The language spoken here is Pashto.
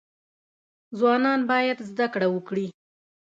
ځوانان باید زده کړه وکړي